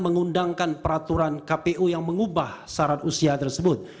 mengundangkan peraturan kpu yang mengubah syarat usia tersebut